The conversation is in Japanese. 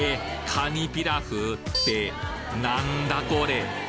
カニピラフってなんだこれ？